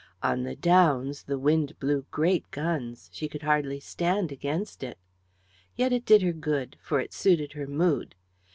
On the Downs the wind blew great guns. She could hardly stand against it. Yet it did her good, for it suited her mood.